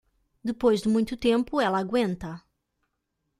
Depois de muito tempo, ela aguenta.